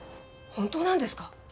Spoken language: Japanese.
本当なんですか？